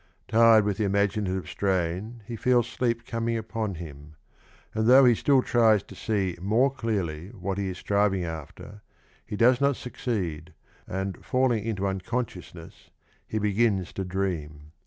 Tired with the imaginative strain he feels sleep coming upon him, and, though he still tries to see more clearly what he is striving after, he does not succeed, and falling into unconscious ness he begins to dream.